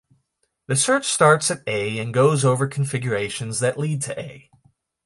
The search starts at A and goes over configurations that lead to A.